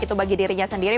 baik itu bagi dirinya sendiri